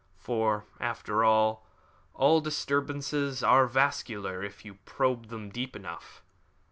For, after all, all disturbances are vascular if you probe them deep enough.